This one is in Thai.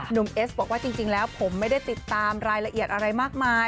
เอสบอกว่าจริงแล้วผมไม่ได้ติดตามรายละเอียดอะไรมากมาย